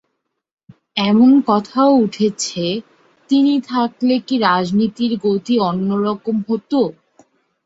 এমন কথাও উঠেছে, তিনি থাকলে কি রাজনীতির গতি অন্য রকম হত?